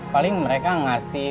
paling mereka ngasih